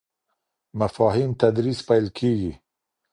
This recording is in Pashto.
مفاهیم تدریس پیل کیږي.